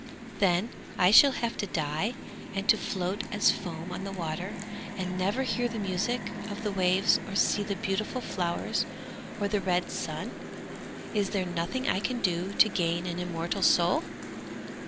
'Then I shall have to die and to float as foam on the water, and never hear the music of the waves or see the beautiful flowers or the red sun! Is there nothing I can do to gain an immortal soul?'